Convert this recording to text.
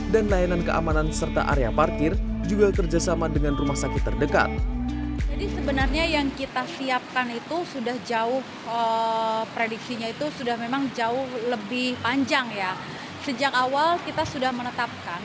layanan keamanan serta area parkir juga kerjasama dengan rumah sakit terdekat